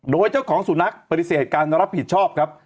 โดยเจ้าของสุนัขปฏิเสธการรับผิดชอบครับ